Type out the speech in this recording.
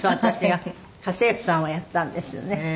私が家政婦さんをやったんですよね。